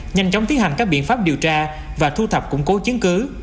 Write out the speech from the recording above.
nhanh chóng tiến hành các biện pháp điều tra và thu thập củng cố chiến cứ